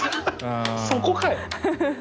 そこかよ。